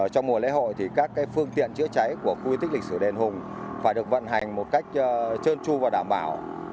trong mùa lễ hội thì các phương tiện chữa cháy của khu di tích lịch sử đền hùng phải được vận hành một cách trơn tru và đảm bảo